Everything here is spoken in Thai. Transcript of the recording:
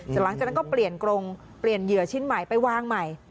หลังจากนั้นก็เปลี่ยนกรงเปลี่ยนเหยื่อชิ้นใหม่ไปวางใหม่